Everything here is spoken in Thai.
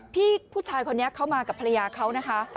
พี่ผู้ชายคนนี้เขามากับภรรยาเขานะคะ